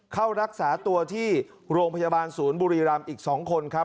เข้ารักษาตัวที่โรงพยาบาลศูนย์บุรีรำอีก๒คนครับ